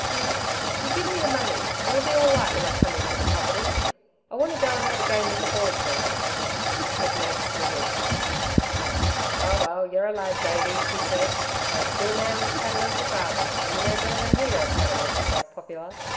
"You ... you give me the money. It'll be all right when I come into the property. I want to go'n have a game with the boys now." McNab sniggered. "Oh well you're a lad, Davey," he said. "As good a man with cattle as your father, and you know better than he does how to make yourself popular.